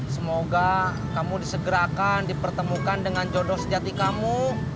semoga kamu disegerakan dipertemukan dengan jodoh sejati kamu